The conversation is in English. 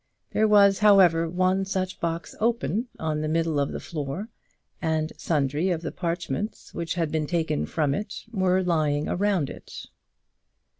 There was, however, one such box open, on the middle of the floor, and sundry of the parchments which had been taken from it were lying around it.